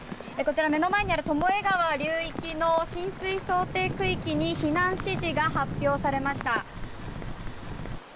目の前にある巴川の浸水想定区域に避難指示が発表されました。